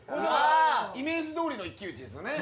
イメージどおりの一騎打ちですよね。